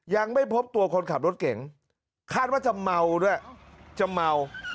ยังไม่พบตัวคนขับรถเก่งคาดว่าจะเมาด้วยจะเมา